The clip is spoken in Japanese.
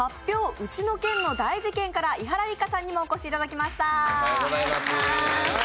ウチの県の大事ケン」から伊原六花さんにもお越しいただきました。